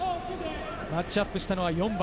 マッチアップしたのは４番。